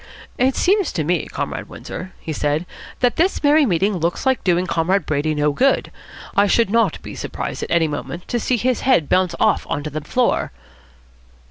"It seems to me, Comrade Windsor," he said, "that this merry meeting looks like doing Comrade Brady no good. I should not be surprised at any moment to see his head bounce off on to the floor."